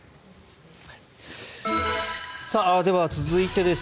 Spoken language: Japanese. では、続いてです。